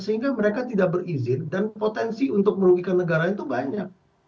sehingga mereka tidak berizin dan potensi untuk merugikan negara itu banyak